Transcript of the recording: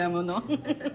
フフフッ。